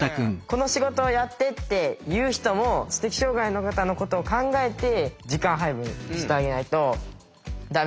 「この仕事をやって」って言う人も知的障害の方のことを考えて時間配分してあげないとダメだなって。